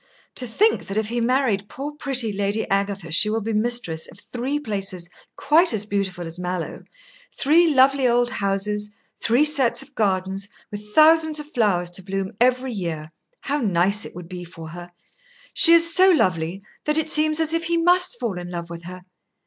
"To think that if he married poor pretty Lady Agatha she will be mistress of three places quite as beautiful as Mallowe, three lovely old houses, three sets of gardens, with thousands of flowers to bloom every year! How nice it would be for her! She is so lovely that it seems as if he must fall in love with her.